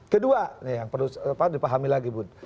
kedua yang perlu dipahami lagi bu